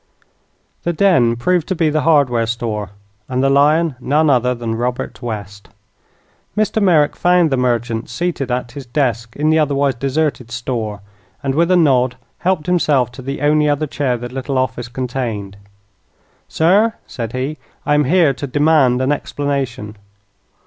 The den proved to be the hardware store, and the lion none other than Robert West. Mr. Merrick found the merchant seated at his desk in the otherwise deserted store, and, with a nod, helped himself to the only other chair the little office contained. "Sir," said he, "I am here to demand an explanation."